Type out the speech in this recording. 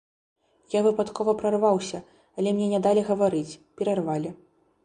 Я выпадкова прарваўся, але мне не далі гаварыць, перарвалі.